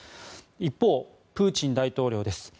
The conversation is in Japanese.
一方、プーチン大統領です。